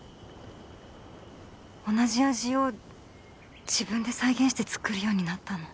同じ味を自分で再現して作るようになったの。